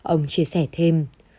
ông chia sẻ thêm